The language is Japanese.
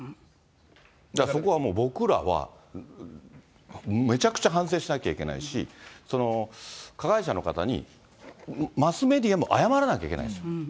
だからそこは僕らは、めちゃくちゃ反省しなきゃいけないし、加害者の方にマスメディアも謝らなきゃいけないですよ。